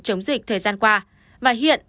chống dịch thời gian qua và hiện